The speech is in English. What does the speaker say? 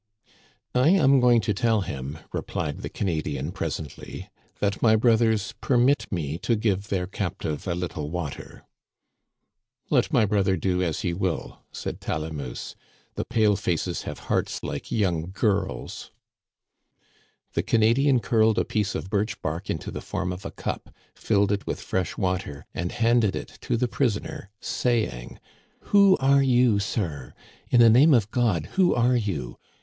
" I am going to tell him," replied the Canadian pres ently, that my brothers permit me to give their captive a little water." Digitized by VjOOQIC 1 82 THE CANADIANS OF OLD. "Let my brother do as he will," said Talamousse; " the pale faces have hearts like young girls." The Canadian curled a piece of birch bark into the form of a cup, filled it with fresh water, and handed it to the prisoner, saying :" Who are you, sir ? In the name of God who are you